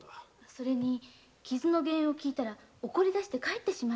それに傷の原因を聞いたら怒って帰ってしまって。